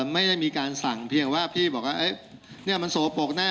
ไม่ได้มีการสั่งเพียงว่าพี่บอกว่านี่มันสกปรกแน่